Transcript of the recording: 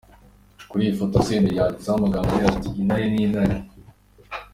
Kuri iyi foto, Senderi yanditseho amagambo agira ati ‘Intare ni intare’.